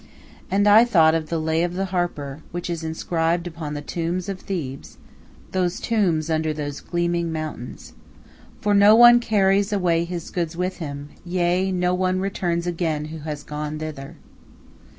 And I thought of the "Lay of the Harper" which is inscribed upon the tombs of Thebes those tombs under those gleaming mountains: "For no one carries away his goods with him; Yea, no one returns again who has gone thither."